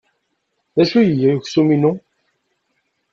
D acu ay iga i weksum-inu?